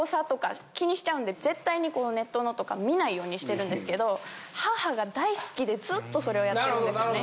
絶対にネットのとか見ないようにしてるんですけど母が大好きでずっとそれをやってるんですよね。